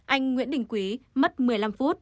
anh nguyễn đình quý mất một mươi năm phút